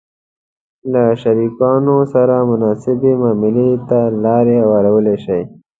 -له شریکانو سره مناسبې معاملې ته لار هوارولای شئ